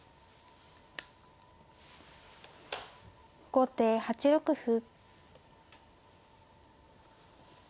後手８六歩。